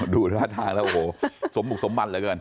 ดูท่าทางแล้วโอ้โหสมบุกสมบันเหลือเกิน